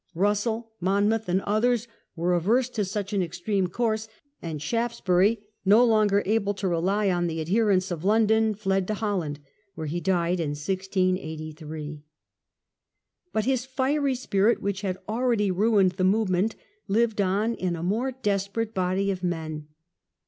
Russell, Monmouth, and others were averse to such an extreme course; and Shaftesbury, no longer able to rely on the adherence of London, fled to Holland, where he died in 1683. But his fiery spirit, which had already ruined the move ment, lived on in a more desperate body of men.